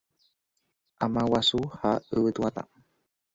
Amaguasu ha yvytu'atã.